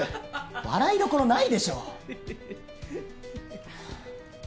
笑いどころないでしょ。